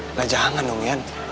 enggak jangan dong yan